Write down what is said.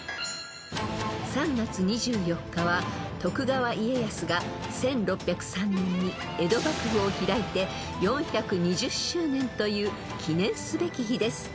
［３月２４日は徳川家康が１６０３年に江戸幕府を開いて４２０周年という記念すべき日です］